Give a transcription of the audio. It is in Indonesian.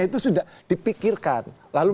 itu sudah dipikirkan lalu